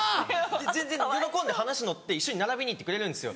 全然喜んで話乗って一緒に並びに行ってくれるんですよ。